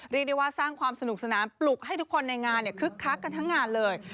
เรียกได้ว่าสร้างความสนุกสนานปลุกให้ทุกคนในงานคึกคักกันทั้งงานเลย